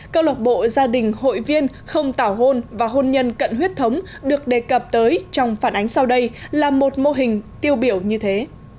câu lộc bộ gia đình hội viên không tảo hôn và hôn nhân cận huyết thống được đề cập tới trong phản ánh sau đây là một mô hình tiêu biểu như thế